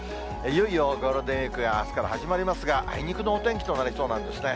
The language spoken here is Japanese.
いよいよゴールデンウィークがあすから始まりますが、あいにくのお天気となりそうなんですね。